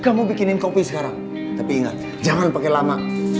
kamu bikinin kopi sekarang tapi ingat jangan pakai lama